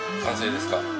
完成ですか。